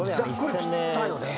ざっくり切ったよね。